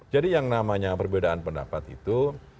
jadi yang namanya perbedaan pendapat itu